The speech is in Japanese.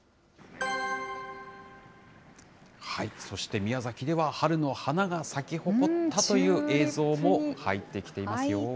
そして、宮崎では春の花が咲き誇ったという映像も入ってきていますよ。